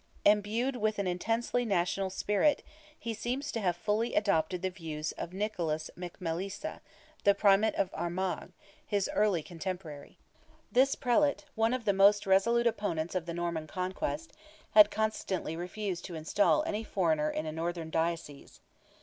Endued with an intensely national spirit, he seems to have fully adopted the views of Nicholas McMaelisa, the Primate of Armagh, his early cotemporary. This Prelate—one of the most resolute opponents of the Norman conquest—had constantly refused to instal any foreigner in a northern diocese.